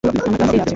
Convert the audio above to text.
আমার কাছেই আছে।